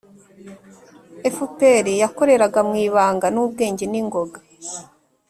fpr yakoreraga mu ibanga, n'ubwenge n'ingoga,